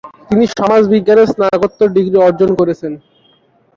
তিনি সমাজবিজ্ঞানে স্নাতকোত্তর ডিগ্রি অর্জন করেছেন।